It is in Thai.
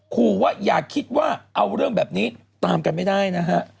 ขู่ว่าอย่าคิดว่าเอาเรื่องแบบนี้ตามกันไม่ได้นะฮะ